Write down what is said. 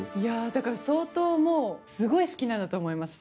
だから相当もうすごい好きなんだと思います